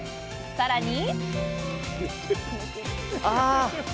さらに！